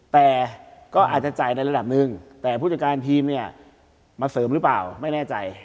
แต่ก็อาจจะจ่ายในระดับหนึ่งแต่ผู้จัดการทีมเนี่ยมาเสริมหรือเปล่าไม่แน่ใจ